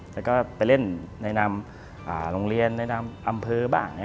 แล้วก็ไปเล่นในนามโรงเรียนในนามอำเภอบ้าง